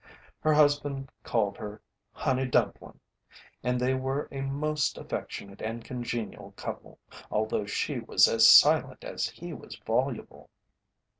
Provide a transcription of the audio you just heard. Her husband called her "Honey dumplin'," and they were a most affectionate and congenial couple, although she was as silent as he was voluble.